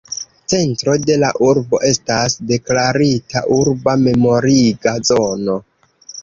Centro de la urbo estas deklarita urba memoriga zono.